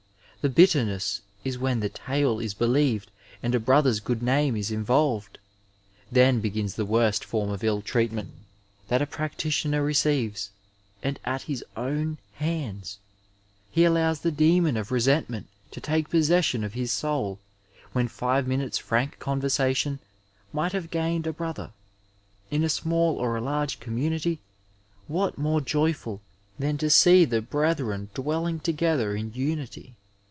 The bitterness is wh^ the tale is believed and a brother's good name is involved. Then begins the woist form of ill treatment that the practitioner reoeives — and at his own hands ! He allows the demon of resentzn^t to take possession of his soul, when five minutes' frank oonveisation might have gained a brother. In a smaU oi a large community what more joyful than to see the brethren dwelling together in unity.